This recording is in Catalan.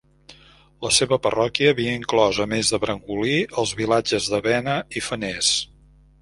La seva parròquia havia inclòs, a més de Brangolí, els vilatges de Bena i Feners.